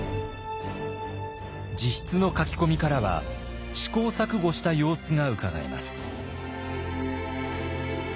自筆の書き込みからは試行錯誤した様子がうかがえます。